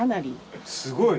すごい。